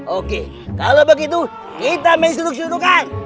oke kalau begitu kita main junduk jundukan